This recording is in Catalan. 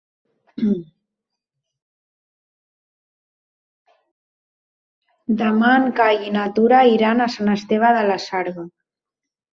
Demà en Cai i na Tura iran a Sant Esteve de la Sarga.